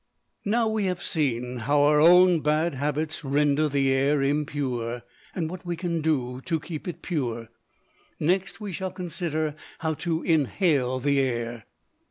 Now we have seen how our own bad habits render the air impure, and what we can do to keep it pure. Next we shall consider how to inhale the air.